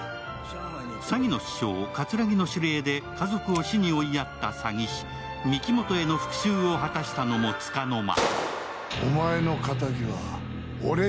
詐欺の師匠・桂木の指令で家族を死に追いやった詐欺師、御木本への復しゅうを果たしたのもつかの間。